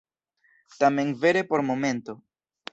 Tamen vere por momento.